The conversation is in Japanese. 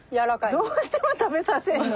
どうしても食べさせんの？